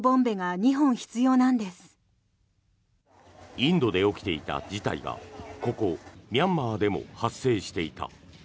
インドで起きていた事態がここ、ミャンマーでも発生していた。